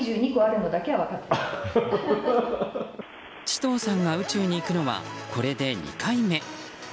チトーさんが宇宙に行くのはこれで２回目。